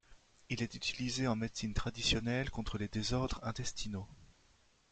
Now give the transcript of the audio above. Il est utilisé en médecine traditionnelle contre les désordres intestinaux.